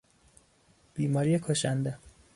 بیماری کشنده